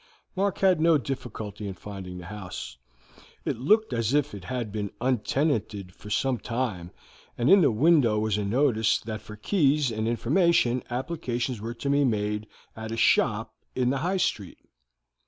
Mark had no difficulty in finding the house. It looked as if it had been untenanted for some time, and in the window was a notice that for keys and information applications were to be made at a shop in the High Street.